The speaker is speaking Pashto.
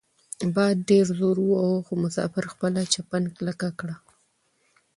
باد ډیر زور وواهه خو مسافر خپله چپن کلکه کړه.